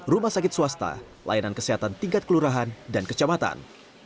rumah sakit swasta layanan kesehatan tingkat kelurahan dan kecamatan